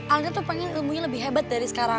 angga tuh pengen ilmunya lebih hebat dari sekarang